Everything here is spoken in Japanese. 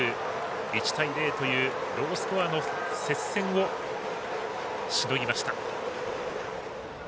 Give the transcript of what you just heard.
１対０というロースコアの接戦をしのぎました。